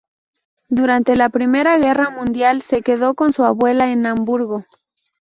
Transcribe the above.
Durante la Primera Guerra Mundial, se quedó con su abuela en Hamburgo.